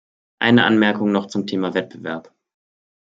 Eine Anmerkung noch zum Thema Wettbewerb.